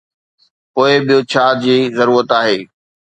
پوء ٻيو ڇا جي ضرورت آهي؟